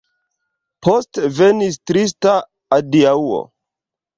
Poste venis trista adiaŭo.